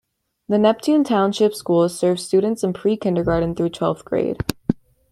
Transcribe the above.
The Neptune Township Schools serve students in pre-kindergarten through twelfth grade.